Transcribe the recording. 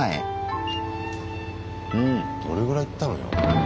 うんどれぐらいいったのよ？